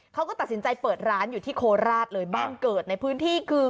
เขาก็ตัดสินใจเปิดร้านอยู่ที่โคราชเลยบ้านเกิดในพื้นที่คือ